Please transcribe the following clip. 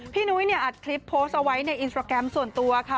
นุ้ยเนี่ยอัดคลิปโพสต์เอาไว้ในอินสตราแกรมส่วนตัวค่ะ